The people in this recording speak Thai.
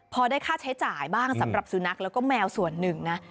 พอได้ค่าใช้จ่ายบ้างสำหรับสุนัขแล้วก็แมวส่วนหนึ่งนะ